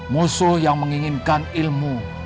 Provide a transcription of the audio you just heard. musuh yang menginginkan ilmu